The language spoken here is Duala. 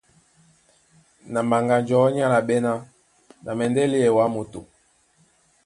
Na Mbaŋganjɔ̌ ní álaɓɛ́ ná : Na mɛndɛ́ léɛ wǎ moto.